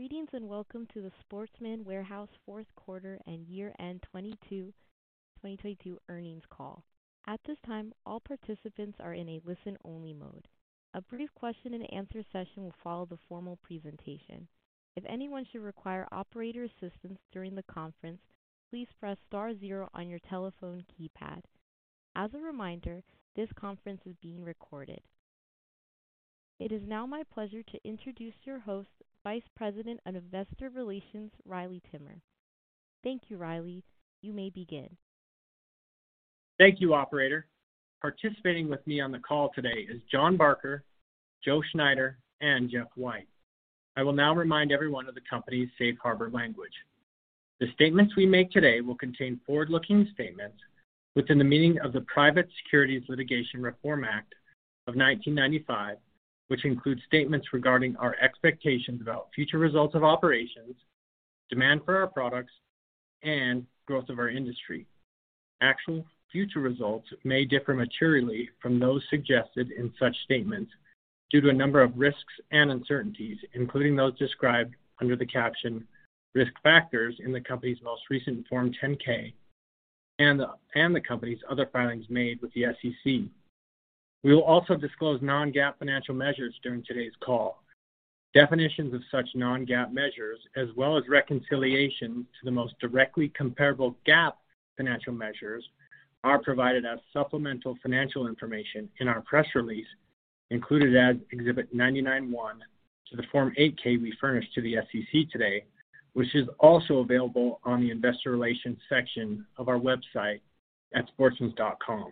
Greetings, welcome to the Sportsman's Warehouse fourth quarter and year-end 2022 earnings call. At this time, all participants are in a listen-only mode. A brief question and answer session will follow the formal presentation. If anyone should require operator assistance during the conference, please press star zero on your telephone keypad. As a reminder, this conference is being recorded. It is now my pleasure to introduce your host, Vice President of Investor Relations, Riley Timmer. Thank you, Riley. You may begin. Thank you, operator. Participating with me on the call today is Jon Barker, Joe Schneider, and Jeff White. I will now remind everyone of the company's safe harbor language. The statements we make today will contain forward-looking statements within the meaning of the Private Securities Litigation Reform Act of 1995, which includes statements regarding our expectations about future results of operations, demand for our products, and growth of our industry. Actual future results may differ materially from those suggested in such statements due to a number of risks and uncertainties, including those described under the caption Risk Factors in the company's most recent Form 10-K and the company's other filings made with the SEC. We will also disclose non-GAAP financial measures during today's call. Definitions of such non-GAAP measures, as well as reconciliation to the most directly comparable GAAP financial measures, are provided as supplemental financial information in our press release included as Exhibit 99.1 to the Form 8-K we furnished to the SEC today, which is also available on the investor relations section of our website at sportsmans.com.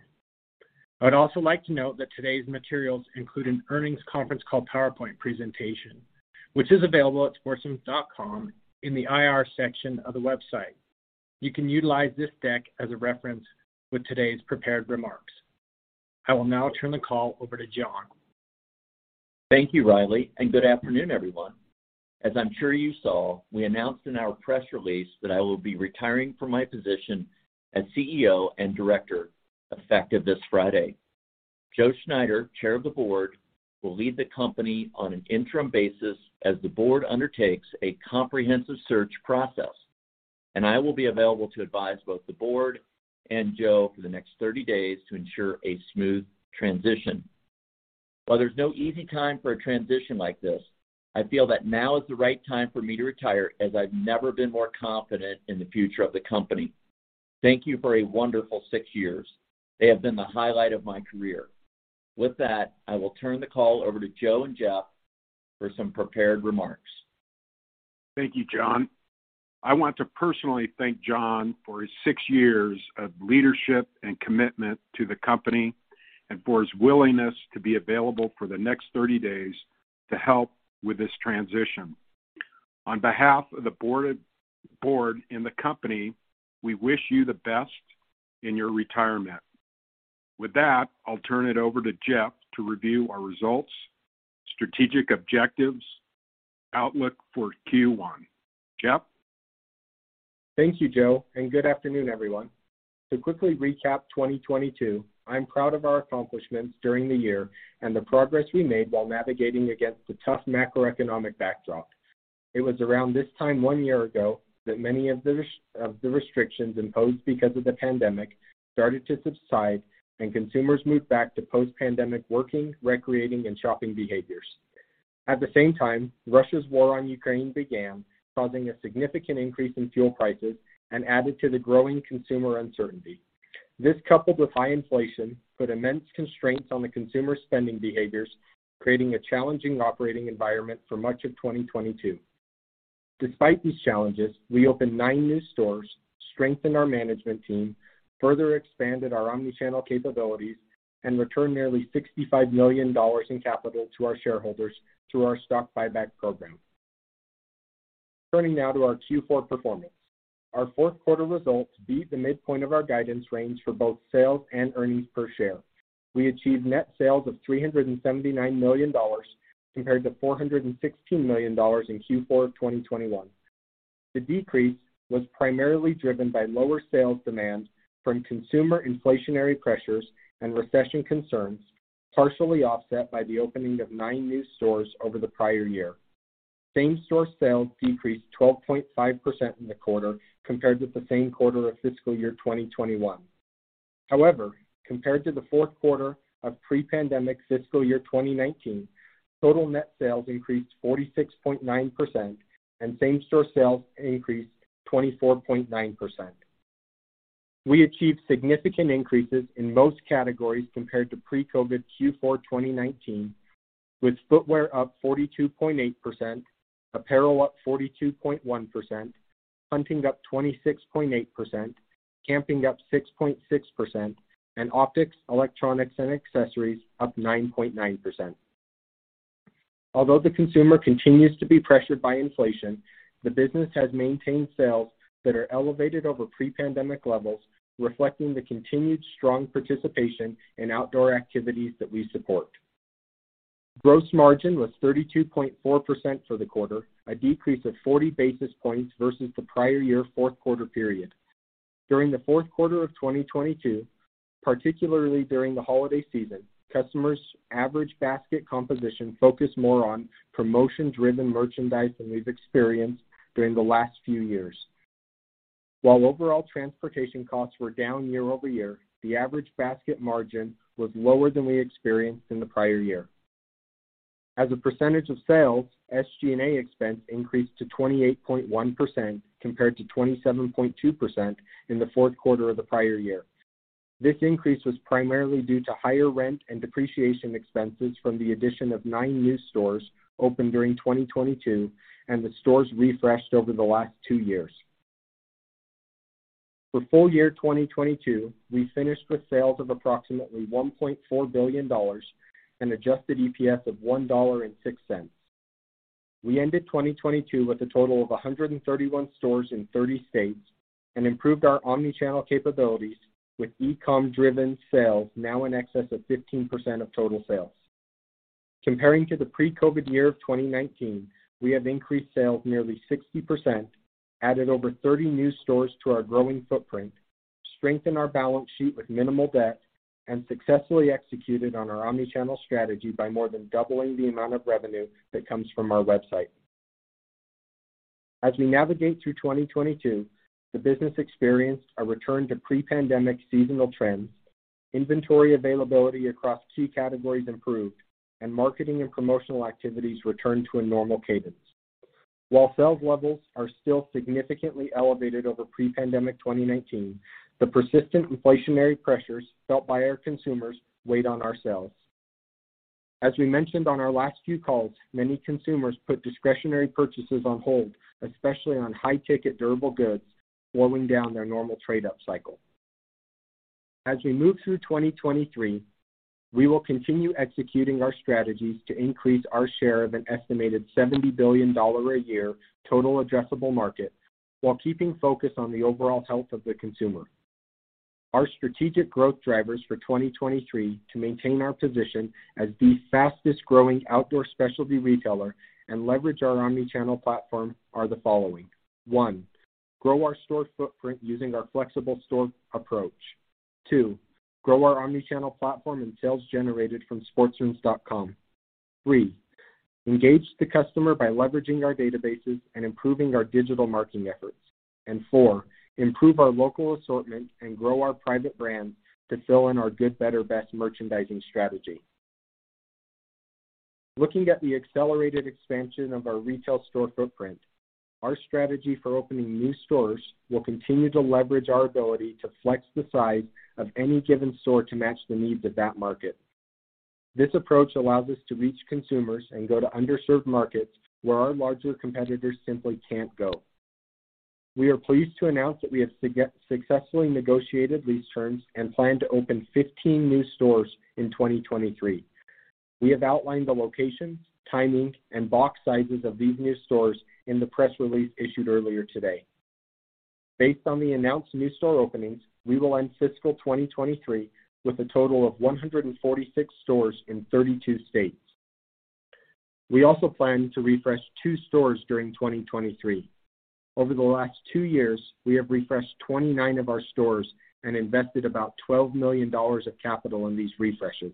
I would also like to note that today's materials include an earnings conference call PowerPoint presentation, which is available at sportsmans.com in the IR section of the website. You can utilize this deck as a reference with today's prepared remarks. I will now turn the call over to Jon. Thank you, Riley. Good afternoon, everyone. As I'm sure you saw, we announced in our press release that I will be retiring from my position as CEO and director, effective this Friday. Joe Schneider, Chair of the Board, will lead the company on an interim basis as the board undertakes a comprehensive search process, and I will be available to advise both the board and Joe for the next 30 days to ensure a smooth transition. While there's no easy time for a transition like this, I feel that now is the right time for me to retire as I've never been more confident in the future of the company. Thank you for a wonderful six years. They have been the highlight of my career. With that, I will turn the call over to Joe and Jeff for some prepared remarks. Thank you, Jon. I want to personally thank Jon for his six years of leadership and commitment to the company and for his willingness to be available for the next 30 days to help with this transition. On behalf of the board and the company, we wish you the best in your retirement. With that, I'll turn it over to Jeff to review our results, strategic objectives, outlook for Q1. Jeff? Thank you, Joe, good afternoon, everyone. To quickly recap 2022, I'm proud of our accomplishments during the year and the progress we made while navigating against a tough macroeconomic backdrop. It was around this time one year ago that many of the restrictions imposed because of the pandemic started to subside and consumers moved back to post-pandemic working, recreating, and shopping behaviors. At the same time, Russia's war on Ukraine began, causing a significant increase in fuel prices and added to the growing consumer uncertainty. This, coupled with high inflation, put immense constraints on the consumer spending behaviors, creating a challenging operating environment for much of 2022. Despite these challenges, we opened nine new stores, strengthened our management team, further expanded our omni-channel capabilities, and returned nearly $65 million in capital to our shareholders through our stock buyback program. Turning now to our Q4 performance. Our fourth quarter results beat the midpoint of our guidance range for both sales and earnings per share. We achieved net sales of $379 million compared to $416 million in Q4 of 2021. The decrease was primarily driven by lower sales demand from consumer inflationary pressures and recession concerns, partially offset by the opening of nine new stores over the prior year. Same-store sales decreased 12.5% in the quarter compared with the same quarter of fiscal year 2021. Compared to the fourth quarter of pre-pandemic fiscal year 2019, total net sales increased 46.9%, and same-store sales increased 24.9%. We achieved significant increases in most categories compared to pre-COVID Q4 2019, with footwear up 42.8%, apparel up 42.1%, hunting up 26.8%, camping up 6.6%, and optics, electronics, and accessories up 9.9%. Although the consumer continues to be pressured by inflation, the business has maintained sales that are elevated over pre-pandemic levels, reflecting the continued strong participation in outdoor activities that we support. Gross margin was 32.4% for the quarter, a decrease of 40 basis points versus the prior year fourth quarter period. During the fourth quarter of 2022, particularly during the holiday season, customers' average basket composition focused more on promotions-driven merchandise than we've experienced during the last few years. While overall transportation costs were down year-over-year, the average basket margin was lower than we experienced in the prior year. As a percentage of sales, SG&A expense increased to 28.1% compared to 27.2% in the fourth quarter of the prior year. This increase was primarily due to higher rent and depreciation expenses from the addition of nine new stores opened during 2022 and the stores refreshed over the last two years. For full year 2022, we finished with sales of approximately $1.4 billion and adjusted EPS of $1.06. We ended 2022 with a total of 131 stores in 30 states and improved our omni-channel capabilities with e-com driven sales now in excess of 15% of total sales. Comparing to the pre-COVID year of 2019, we have increased sales nearly 60%, added over 30 new stores to our growing footprint, strengthened our balance sheet with minimal debt, and successfully executed on our omni-channel strategy by more than doubling the amount of revenue that comes from our website. As we navigate through 2022, the business experienced a return to pre-pandemic seasonal trends, inventory availability across key categories improved, and marketing and promotional activities returned to a normal cadence. While sales levels are still significantly elevated over pre-pandemic 2019, the persistent inflationary pressures felt by our consumers weighed on our sales. As we mentioned on our last few calls, many consumers put discretionary purchases on hold, especially on high-ticket durable goods, slowing down their normal trade-up cycle. As we move through 2023, we will continue executing our strategies to increase our share of an estimated $70 billion a year total addressable market while keeping focus on the overall health of the consumer. Our strategic growth drivers for 2023 to maintain our position as the fastest-growing outdoor specialty retailer and leverage our omni-channel platform are the following. 1. Grow our store footprint using our flexible store approach. 2. Grow our omni-channel platform and sales generated from sportsmans.com. 3. Engage the customer by leveraging our databases and improving our digital marketing efforts. 4. Improve our local assortment and grow our private brand to fill in our good/better/best merchandising strategy. Looking at the accelerated expansion of our retail store footprint, our strategy for opening new stores will continue to leverage our ability to flex the size of any given store to match the needs of that market. This approach allows us to reach consumers and go to underserved markets where our larger competitors simply can't go. We are pleased to announce that we have successfully negotiated lease terms and plan to open 15 new stores in 2023. We have outlined the locations, timing, and box sizes of these new stores in the press release issued earlier today. Based on the announced new store openings, we will end fiscal 2023 with a total of 146 stores in 32 states. We also plan to refresh two stores during 2023. Over the last two years, we have refreshed 29 of our stores and invested about $12 million of capital in these refreshes.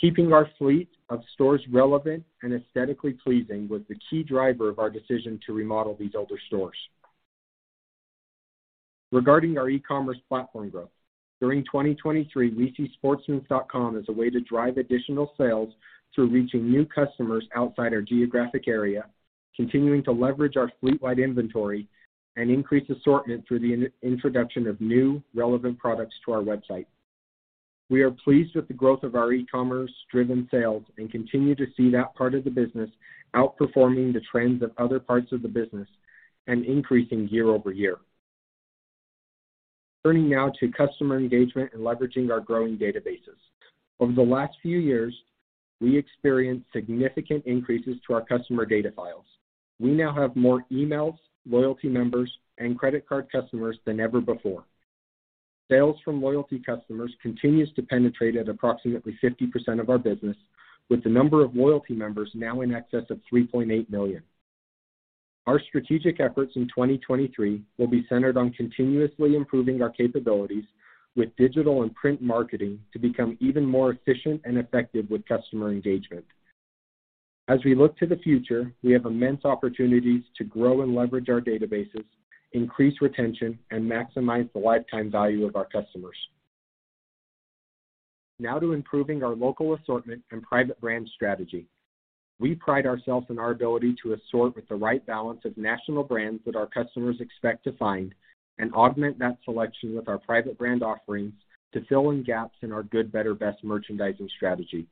Keeping our fleet of stores relevant and aesthetically pleasing was the key driver of our decision to remodel these older stores. Regarding our e-commerce platform growth, during 2023, we see sportsmans.com as a way to drive additional sales through reaching new customers outside our geographic area, continuing to leverage our fleet-wide inventory, and increase assortment through the introduction of new relevant products to our website. We are pleased with the growth of our e-commerce driven sales and continue to see that part of the business outperforming the trends of other parts of the business and increasing year-over-year. Turning now to customer engagement and leveraging our growing databases. Over the last few years, we experienced significant increases to our customer data files. We now have more emails, loyalty members, and credit card customers than ever before. Sales from loyalty customers continues to penetrate at approximately 50% of our business, with the number of loyalty members now in excess of 3.8 million. Our strategic efforts in 2023 will be centered on continuously improving our capabilities with digital and print marketing to become even more efficient and effective with customer engagement. As we look to the future, we have immense opportunities to grow and leverage our databases, increase retention, and maximize the lifetime value of our customers. Improving our local assortment and private brand strategy. We pride ourselves in our ability to assort with the right balance of national brands that our customers expect to find and augment that selection with our private brand offerings to fill in gaps in our good better best merchandising strategy.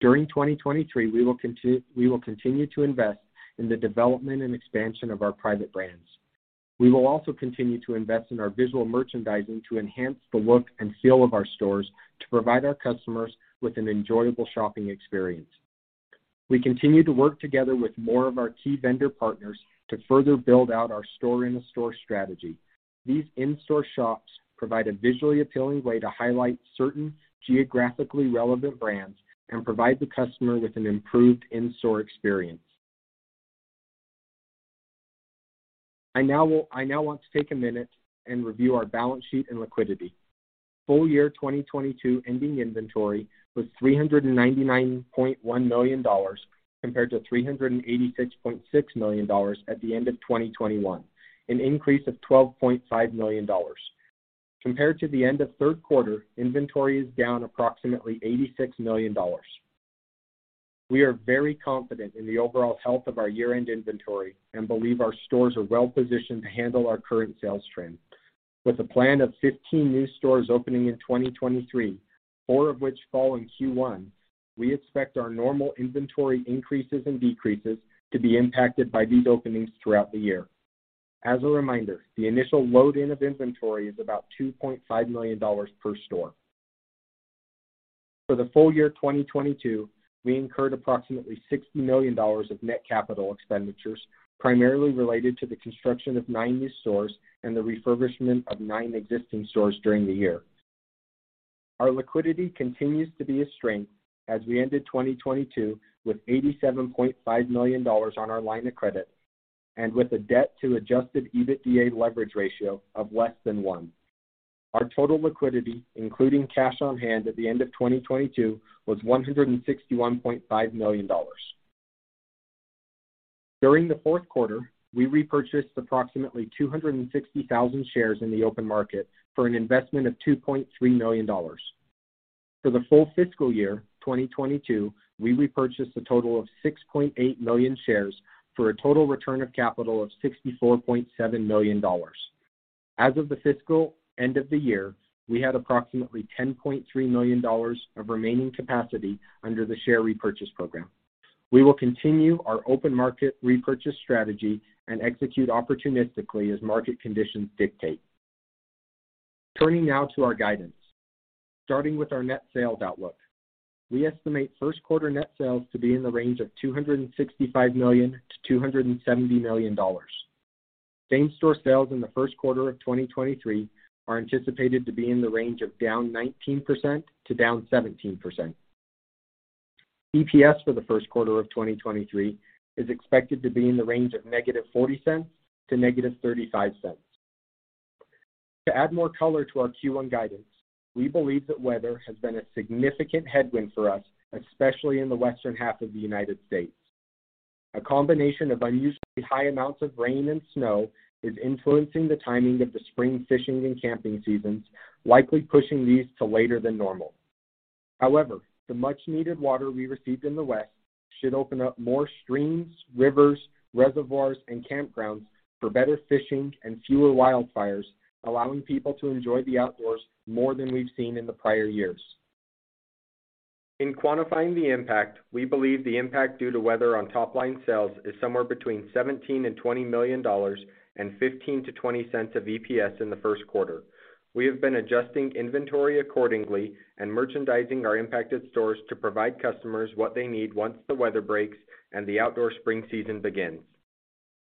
During 2023, we will continue to invest in the development and expansion of our private brands. We will also continue to invest in our visual merchandising to enhance the look and feel of our stores to provide our customers with an enjoyable shopping experience. We continue to work together with more of our key vendor partners to further build out our store-in-a-store strategy. These in-store shops provide a visually appealing way to highlight certain geographically relevant brands and provide the customer with an improved in-store experience. I now want to take a minute and review our balance sheet and liquidity. Full year 2022 ending inventory was $399.1 million compared to $386.6 million at the end of 2021, an increase of $12.5 million. Compared to the end of third quarter, inventory is down approximately $86 million. We are very confident in the overall health of our year-end inventory and believe our stores are well positioned to handle our current sales trend. With a plan of 15 new stores opening in 2023, four of which fall in Q1, we expect our normal inventory increases and decreases to be impacted by these openings throughout the year. As a reminder, the initial load in of inventory is about $2.5 million per store. For the full year 2022, we incurred approximately $60 million of net capital expenditures, primarily related to the construction of nine new stores and the refurbishment of nine existing stores during the year. Our liquidity continues to be a strength as we ended 2022 with $87.5 million on our line of credit and with a debt to adjusted EBITDA leverage ratio of less than one. Our total liquidity, including cash on hand at the end of 2022, was $161.5 million. During the fourth quarter, we repurchased approximately 260,000 shares in the open market for an investment of $2.3 million. For the full fiscal year 2022, we repurchased a total of 6.8 million shares for a total return of capital of $64.7 million. As of the fiscal end of the year, we had approximately $10.3 million of remaining capacity under the share repurchase program. We will continue our open market repurchase strategy and execute opportunistically as market conditions dictate. Turning now to our guidance. Starting with our net sales outlook, we estimate first quarter net sales to be in the range of $265 million-$270 million. Same-store sales in the first quarter of 2023 are anticipated to be in the range of down 19% to down 17%. EPS for the first quarter of 2023 is expected to be in the range of -$0.40 to -$0.35. To add more color to our Q1 guidance, we believe that weather has been a significant headwind for us, especially in the western half of the United States. A combination of unusually high amounts of rain and snow is influencing the timing of the spring fishing and camping seasons, likely pushing these to later than normal. The much needed water we received in the West should open up more streams, rivers, reservoirs, and campgrounds for better fishing and fewer wildfires, allowing people to enjoy the outdoors more than we've seen in the prior years. In quantifying the impact, we believe the impact due to weather on top line sales is somewhere between $17 million-$20 million and $0.15-$0.20 of EPS in the first quarter. We have been adjusting inventory accordingly and merchandising our impacted stores to provide customers what they need once the weather breaks and the outdoor spring season begins.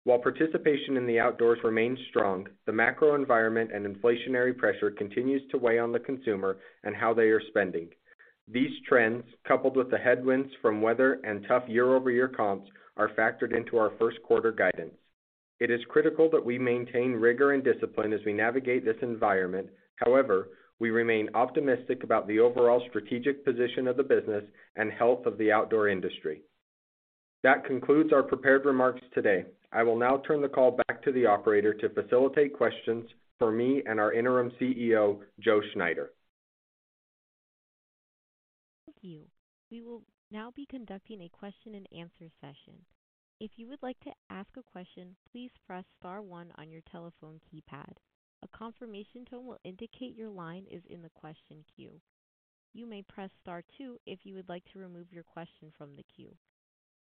While participation in the outdoors remains strong, the macro environment and inflationary pressure continues to weigh on the consumer and how they are spending. These trends, coupled with the headwinds from weather and tough year-over-year comps, are factored into our first quarter guidance. It is critical that we maintain rigor and discipline as we navigate this environment. However, we remain optimistic about the overall strategic position of the business and health of the outdoor industry. That concludes our prepared remarks today. I will now turn the call back to the operator to facilitate questions for me and our Interim CEO, Joe Schneider. Thank you. We will now be conducting a question and answer session. If you would like to ask a question, please press star one on your telephone keypad. A confirmation tone will indicate your line is in the question queue. You may press star two if you would like to remove your question from the queue.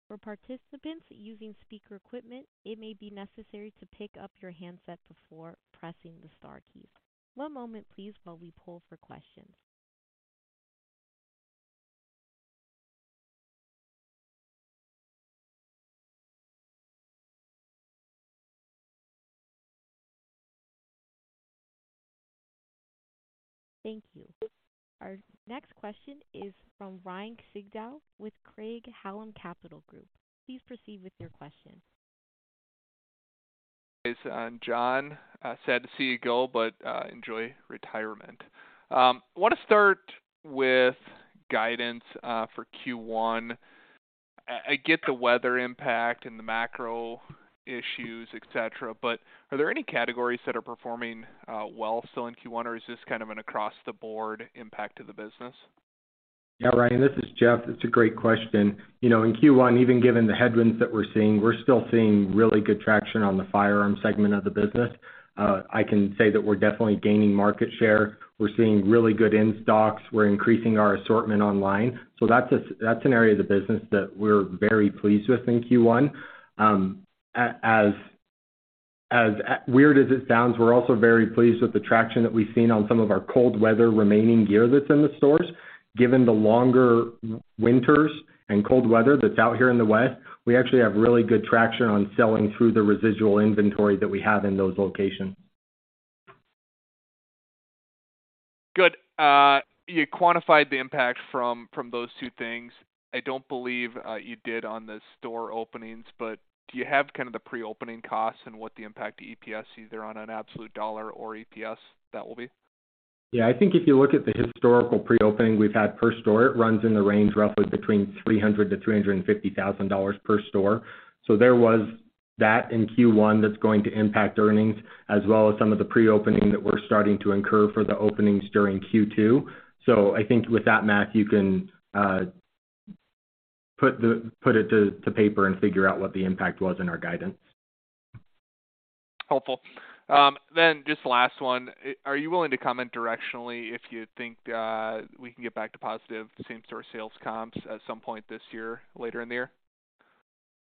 For participants using speaker equipment, it may be necessary to pick up your handset before pressing the star keys. One moment please while we pull for questions. Thank you. Our next question is from Ryan Sigdahl with Craig-Hallum Capital Group. Please proceed with your question. Jon, sad to see you go, enjoy retirement. I wanna start with guidance for Q1. I get the weather impact and the macro issues, et cetera, are there any categories that are performing well still in Q1, or is this kind of an across-the-board impact to the business? Ryan, this is Jeff. It's a great question. You know, in Q1, even given the headwinds that we're seeing, we're still seeing really good traction on the firearm segment of the business. I can say that we're definitely gaining market share. We're seeing really good in-stocks. We're increasing our assortment online. That's an area of the business that we're very pleased with in Q1. As weird as it sounds, we're also very pleased with the traction that we've seen on some of our cold weather remaining gear that's in the stores. Given the longer winters and cold weather that's out here in the West, we actually have really good traction on selling through the residual inventory that we have in those locations. Good. You quantified the impact from those two things. I don't believe you did on the store openings, but do you have kind of the pre-opening costs and what the impact to EPS, either on an absolute dollar or EPS that will be? Yeah. I think if you look at the historical pre-opening we've had per store, it runs in the range roughly between $300,000-$350,000 per store. There was that in Q1 that's going to impact earnings, as well as some of the pre-opening that we're starting to incur for the openings during Q2. I think with that math, you can put it to paper and figure out what the impact was in our guidance. Helpful. Just last one. Are you willing to comment directionally if you think, we can get back to positive same-store sales comps at some point this year, later in the year?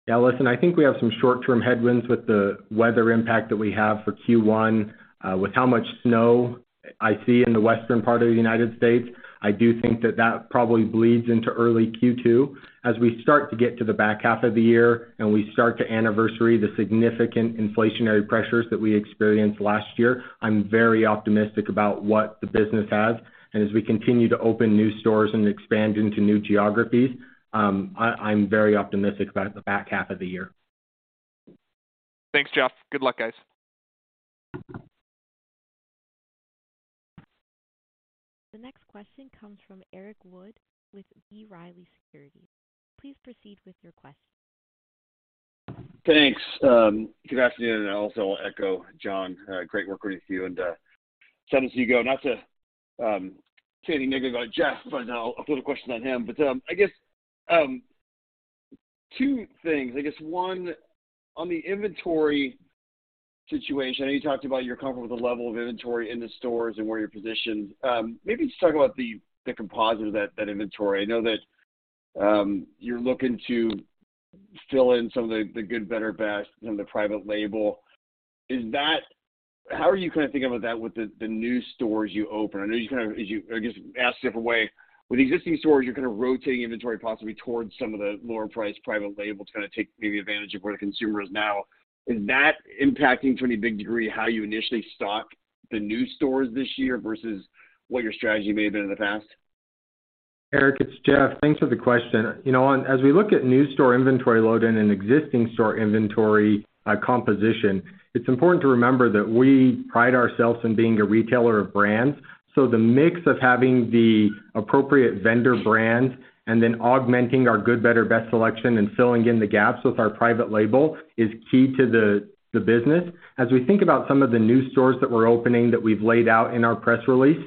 Yeah. Listen, I think we have some short-term headwinds with the weather impact that we have for Q1. With how much snow I see in the western part of the U.S., I do think that that probably bleeds into early Q2. As we start to get to the back half of the year and we start to anniversary the significant inflationary pressures that we experienced last year, I'm very optimistic about what the business has. As we continue to open new stores and expand into new geographies, I'm very optimistic about the back half of the year. Thanks, Jeff. Good luck, guys. The next question comes from Eric Wold with B. Riley Securities. Please proceed with your question. Thanks. Good afternoon, and also echo Jon. Great working with you and sad to see you go. Not to say anything negative about Jeff. I'll put a question on him. I guess, two things. I guess one, on the inventory situation, I know you talked about you're comfortable with the level of inventory in the stores and where you're positioned. Maybe just talk about the composite of that inventory. I know that, you're looking to fill in some of the good, better, best, some of the private label. How are you kinda thinking about that with the new stores you open? I guess, ask a different way. With existing stores, you're kinda rotating inventory possibly towards some of the lower priced private labels to kinda take maybe advantage of where the consumer is now. Is that impacting to any big degree how you initially stock the new stores this year versus what your strategy may have been in the past? Eric, it's Jeff. Thanks for the question. You know, as we look at new store inventory load in an existing store inventory composition, it's important to remember that we pride ourselves in being a retailer of brands. The mix of having the appropriate vendor brand and then augmenting our good, better, best selection and filling in the gaps with our private label is key to the business. As we think about some of the new stores that we're opening that we've laid out in our press release,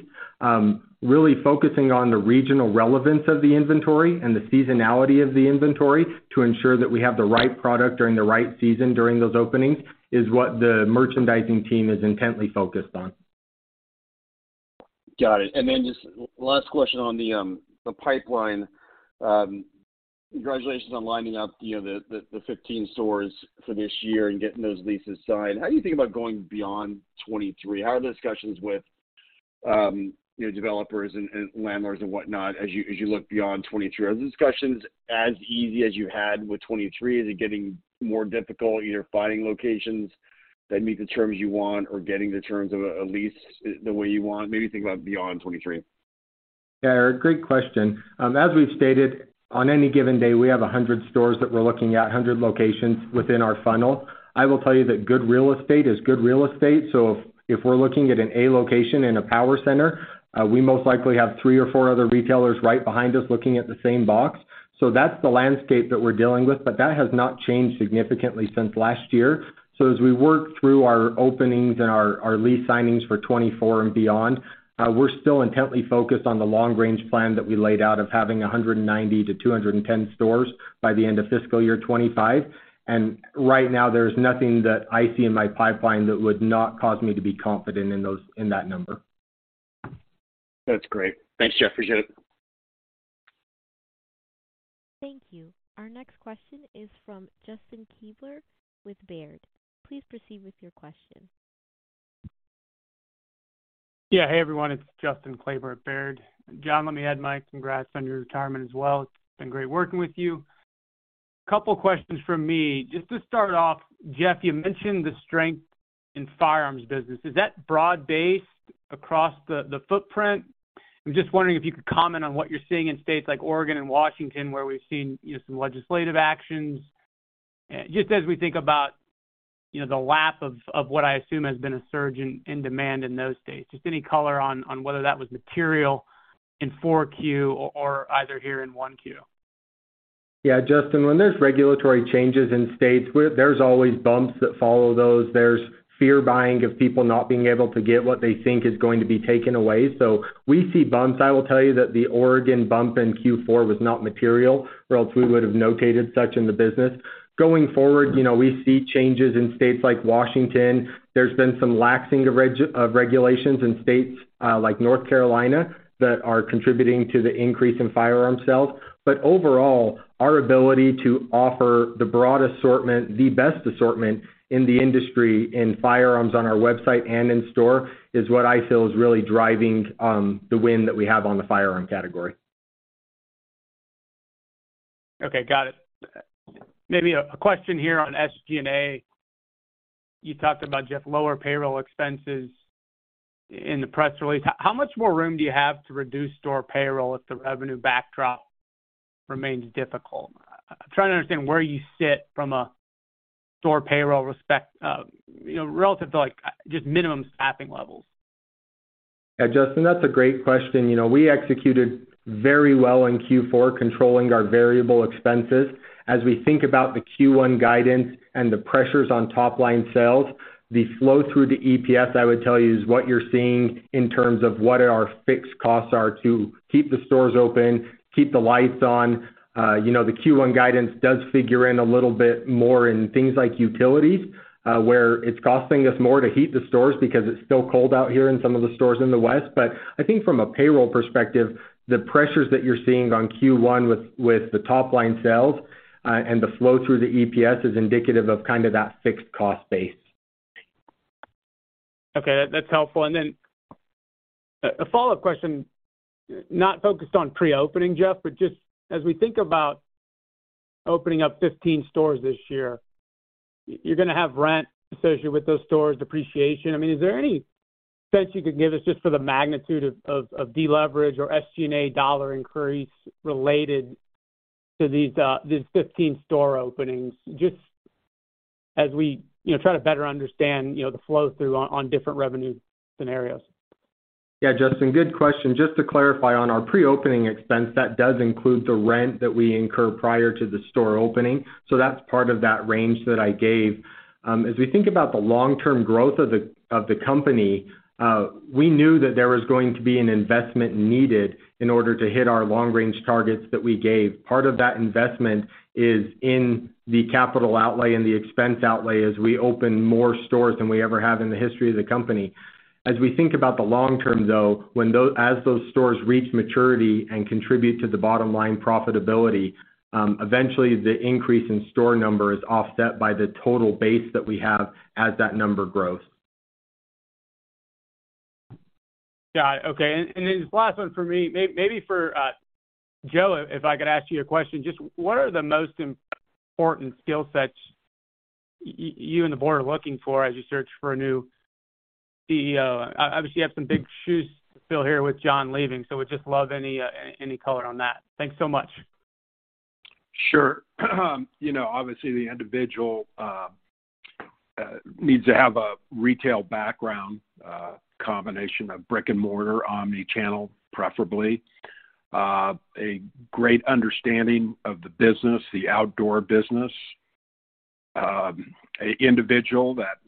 really focusing on the regional relevance of the inventory and the seasonality of the inventory to ensure that we have the right product during the right season during those openings is what the merchandising team is intently focused on. Got it. Just last question on the pipeline. Congratulations on lining up, you know, the 15 stores for this year and getting those leases signed. How do you think about going beyond 2023? How are the discussions with, you know, developers and landlords and whatnot as you look beyond 2023? Are the discussions as easy as you had with 2023? Is it getting more difficult either finding locations that meet the terms you want or getting the terms of a lease the way you want? Maybe think about beyond 2023. Yeah, Eric, great question. As we've stated, on any given day, we have 100 stores that we're looking at, 100 locations within our funnel. I will tell you that good real estate is good real estate. If we're looking at an A location in a power center, we most likely have three or four other retailers right behind us looking at the same box. That's the landscape that we're dealing with, but that has not changed significantly since last year. As we work through our openings and our lease signings for 2024 and beyond, we're still intently focused on the long-range plan that we laid out of having 190-210 stores by the end of fiscal year 2025. Right now there's nothing that I see in my pipeline that would not cause me to be confident in that number. That's great. Thanks, Jeff. Appreciate it. Thank you. Our next question is from Justin Kleber with Baird. Please proceed with your question. Yeah. Hey, everyone, it's Justin Kleber at Baird. Jon, let me add my congrats on your retirement as well. It's been great working with you. A couple questions from me. Just to start off, Jeff, you mentioned the strength in firearms business. Is that broad-based across the footprint? I'm just wondering if you could comment on what you're seeing in states like Oregon and Washington, where we've seen, you know, some legislative actions. Just as we think about, you know, the lap of what I assume has been a surge in demand in those states. Just any color on whether that was material in 4Q or either here in 1Q. Yeah, Justin, when there's regulatory changes in states where there's always bumps that follow those, there's fear buying of people not being able to get what they think is going to be taken away. We see bumps. I will tell you that the Oregon bump in Q4 was not material, or else we would have notated such in the business. Going forward, you know, we see changes in states like Washington. There's been some laxing of regulations in states, like North Carolina that are contributing to the increase in firearm sales. Overall, our ability to offer the broad assortment, the best assortment in the industry in firearms on our website and in store is what I feel is really driving the win that we have on the firearm category. Okay, got it. Maybe a question here on SG&A. You talked about just lower payroll expenses in the press release. How much more room do you have to reduce store payroll if the revenue backdrop remains difficult? I'm trying to understand where you sit from a store payroll, you know, relative to, like, just minimum staffing levels. Yeah, Justin, that's a great question. You know, we executed very well in Q4, controlling our variable expenses. As we think about the Q1 guidance and the pressures on top line sales, the flow through the EPS, I would tell you, is what you're seeing in terms of what our fixed costs are to keep the stores open, keep the lights on. You know, the Q1 guidance does figure in a little bit more in things like utilities, where it's costing us more to heat the stores because it's still cold out here in some of the stores in the West. I think from a payroll perspective, the pressures that you're seeing on Q1 with the top line sales, and the flow through the EPS is indicative of kind of that fixed cost base. Okay. That's helpful. A follow-up question, not focused on pre-opening, Jeff, but just as we think about opening up 15 stores this year, you're gonna have rent associated with those stores, depreciation. I mean, is there any sense you could give us just for the magnitude of deleverage or SG&A dollar increase related to these 15 store openings? Just as we, you know, try to better understand, you know, the flow through on different revenue scenarios. Yeah. Justin, good question. Just to clarify on our pre-opening expense, that does include the rent that we incur prior to the store opening. That's part of that range that I gave. As we think about the long-term growth of the company, we knew that there was going to be an investment needed in order to hit our long-range targets that we gave. Part of that investment is in the capital outlay and the expense outlay as we open more stores than we ever have in the history of the company. As we think about the long term, though, when as those stores reach maturity and contribute to the bottom line profitability, eventually the increase in store numbers is offset by the total base that we have as that number grows. Got it. Okay. Last one for me, maybe for Joe, if I could ask you a question. Just what are the most important skill sets you and the board are looking for as you search for a new CEO? Obviously you have some big shoes to fill here with Jon leaving. Would just love any any color on that. Thanks so much. Sure. You know, obviously the individual needs to have a retail background, combination of brick and mortar, omni-channel, preferably. A great understanding of the business, the outdoor business. A individual that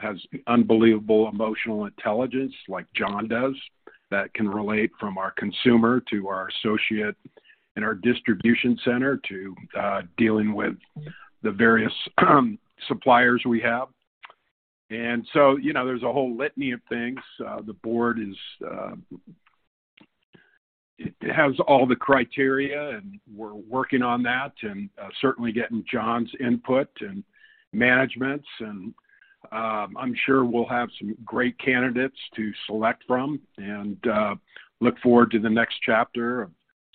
has unbelievable emotional intelligence like Jon does, that can relate from our consumer to our associate in our distribution center to dealing with the various suppliers we have. There's a whole litany of things. The board is, it has all the criteria, and we're working on that and certainly getting Jon's input and management's. I'm sure we'll have some great candidates to select from, look forward to the next chapter of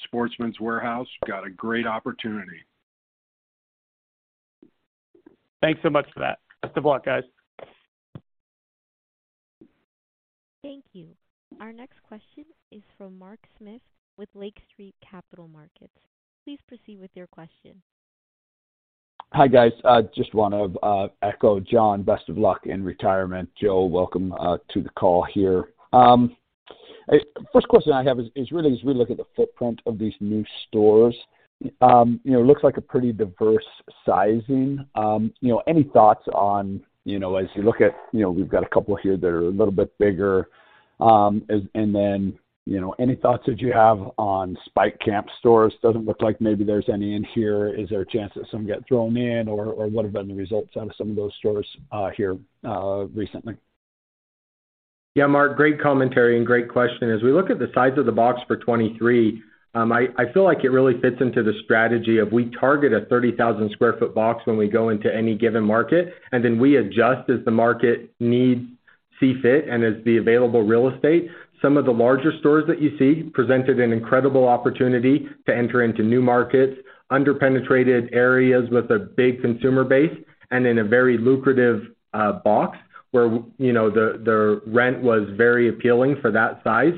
Sportsman's Warehouse. Got a great opportunity. Thanks so much for that. Best of luck, guys. Thank you. Our next question is from Mark Smith with Lake Street Capital Markets. Please proceed with your question. Hi, guys. just wanna echo Jon. Best of luck in retirement. Joe, welcome to the call here. first question I have is really as we look at the footprint of these new stores, you know, looks like a pretty diverse sizing. you know, any thoughts on, you know, as you look at, you know, we've got a couple here that are a little bit bigger. and then, you know, any thoughts that you have on Spike Camp stores? Doesn't look like maybe there's any in here. Is there a chance that some get thrown in, or what have been the results out of some of those stores here recently? Yeah. Mark, great commentary and great question. As we look at the size of the box for 2023, I feel like it really fits into the strategy of we target a 30,000 sq ft box when we go into any given market, and then we adjust as the market needs see fit and as the available real estate. Some of the larger stores that you see presented an incredible opportunity to enter into new markets, under-penetrated areas with a big consumer base and in a very lucrative box where, you know, the rent was very appealing for that size.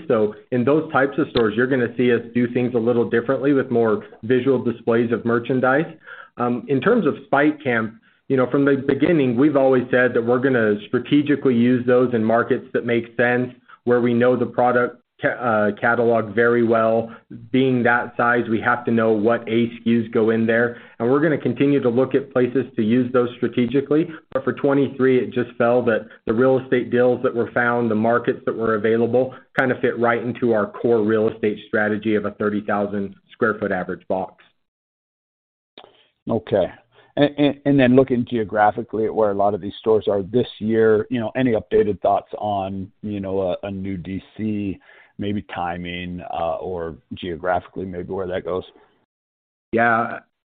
In those types of stores you're gonna see us do things a little differently with more visual displays of merchandise. In terms of Spike Camp, you know, from the beginning we've always said that we're gonna strategically use those in markets that make sense, where we know the product catalog very well. Being that size, we have to know what A SKUs go in there, and we're gonna continue to look at places to use those strategically. For 2023 it just fell that the real estate deals that were found, the markets that were available, kind of fit right into our core real estate strategy of a 30,000 sq ft average box. Okay. Looking geographically at where a lot of these stores are this year, you know, any updated thoughts on, you know, a new DC maybe timing, or geographically maybe where that goes?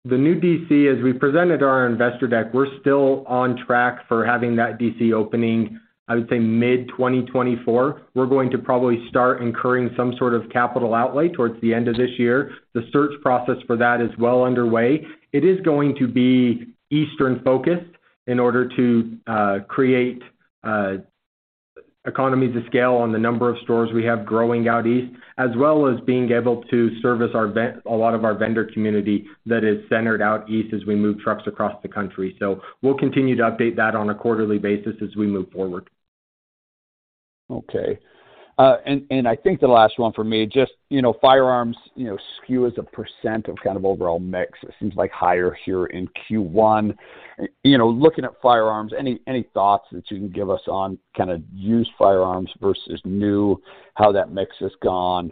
The new DC, as we presented our investor deck, we're still on track for having that DC opening, I would say mid-2024. We're going to probably start incurring some sort of capital outlay towards the end of this year. The search process for that is well underway. It is going to be Eastern-focused in order to create economies of scale on the number of stores we have growing out east, as well as being able to service a lot of our vendor community that is centered out east as we move trucks across the country. We'll continue to update that on a quarterly basis as we move forward. Okay. I think the last one for me, just, you know, firearms, you know, SKU as a percent of kind of overall mix, it seems like higher here in Q1. You know, looking at firearms, any thoughts that you can give us on kind of used firearms versus new, how that mix has gone?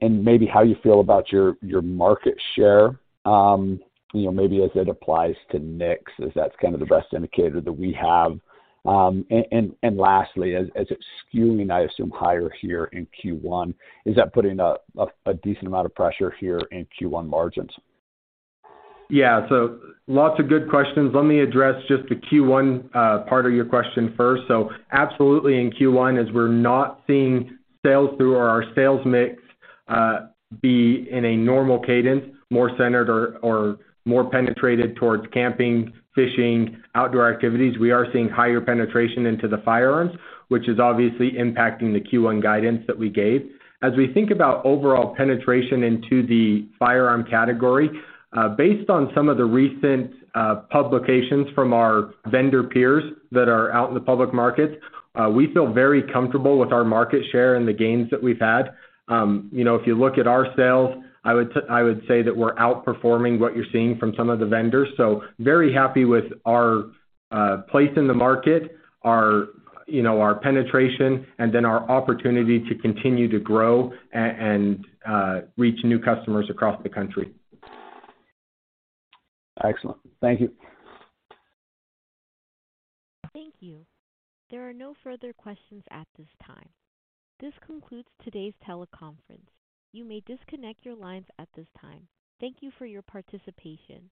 Maybe how you feel about your market share, you know, maybe as it applies to mix, as that's kind of the best indicator that we have. Lastly, as it's skewing, I assume higher here in Q1, is that putting a decent amount of pressure here in Q1 margins? Yeah. Lots of good questions. Let me address just the Q1 part of your question first. Absolutely in Q1, as we're not seeing sales through or our sales mix be in a normal cadence, more centered or more penetrated towards camping, fishing, outdoor activities, we are seeing higher penetration into the firearms, which is obviously impacting the Q1 guidance that we gave. We think about overall penetration into the firearm category, based on some of the recent publications from our vendor peers that are out in the public market, we feel very comfortable with our market share and the gains that we've had. You know, if you look at our sales, I would say that we're outperforming what you're seeing from some of the vendors. Very happy with our place in the market, our, you know, our penetration, and then our opportunity to continue to grow and reach new customers across the country. Excellent. Thank you. Thank you. There are no further questions at this time. This concludes today's teleconference. You may disconnect your lines at this time. Thank you for your participation.